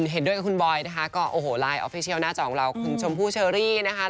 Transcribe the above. เห็นด้วยกับคุณบอยนะคะก็โอ้โหไลน์ออฟฟิเชียลหน้าจอของเราคุณชมพู่เชอรี่นะคะ